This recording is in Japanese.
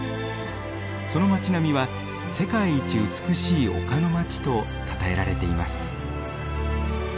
その町並みは世界一美しい丘の街とたたえられています。